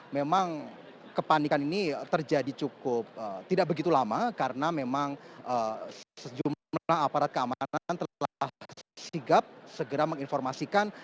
memang kepanikan ini terjadi cukup tidak begitu lama karena memang sejumlah aparat keamanan telah sigap segera menginformasikan